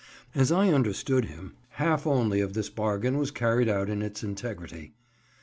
As I understood him, half only of this bargain was carried out in its integrity.